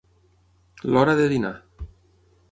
L'hora de dinar.